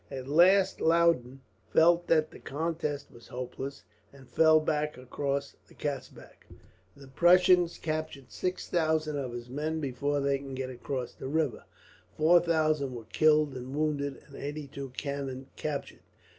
At last Loudon felt that the contest was hopeless, and fell back across the Katzbach. The Prussians captured six thousand of his men before they could get across the river, four thousand were killed and wounded, and eighty two cannons captured.